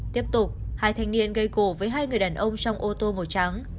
tiếp tục hai thanh niên gây cổ với hai người đàn ông trong ô tô màu trắng